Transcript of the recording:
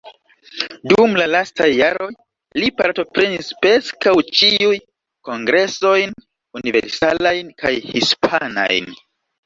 Dum la lastaj jaroj li partoprenis preskaŭ ĉiujn kongresojn universalajn kaj hispanajn.